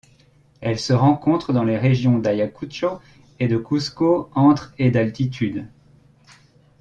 Elle se rencontre dans les régions d'Ayacucho et de Cuzco entre et d'altitude.